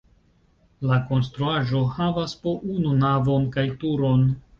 La konstruaĵo havas po unu navon kaj turon.